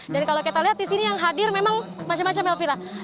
dan kalau kita lihat disini yang hadir memang macam macam elvira